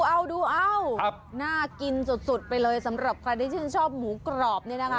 เอาดูเอาน่ากินสุดไปเลยสำหรับใครที่ชื่นชอบหมูกรอบเนี่ยนะคะ